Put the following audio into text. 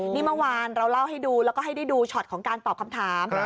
นี่เมื่อวานเราเล่าให้ดูแล้วก็ให้ได้ดูช็อตของการตอบคำถาม